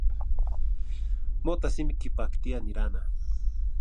Mota simi quipactia nirana.